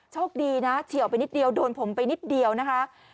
โชคดีนะเฉียวไปนิดเดียวโดนผมไปนิดเดียวนะคะ